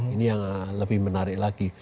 ini yang lebih menarik lagi